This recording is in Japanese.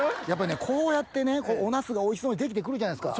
こうやってねおナスがおいしそうに出来て来るじゃないですか